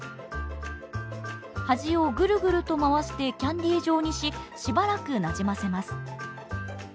端をぐるぐると回してキャンディー状にししばらくなじませます。